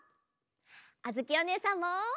あづきおねえさんも！